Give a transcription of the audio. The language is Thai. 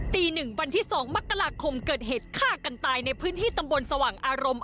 ตี๑วันที่๒มกราคมเกิดเหตุฆ่ากันตายในพื้นที่ตำบลสว่างอารมณ์